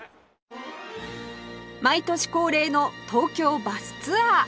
毎年恒例の東京バスツアー